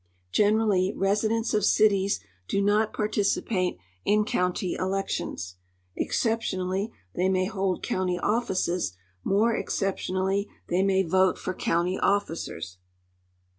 Generally, residents of cities do not participate in county elec tions. Exceptionally, they may hold county offices, more excep tionally, they may vote for county officers.